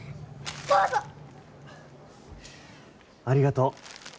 ありがとう。